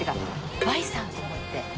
「Ｙさん？」と思って。